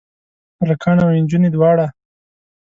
هلکان او انجونې دواړه؟